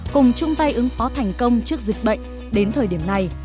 cùng chung tay ứng phó thành công trước dịch bệnh đến thời điểm này